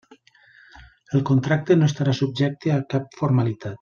El contracte no estarà subjecte a cap formalitat.